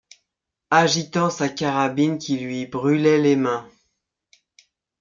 agitant sa carabine qui lui brûlait les mains.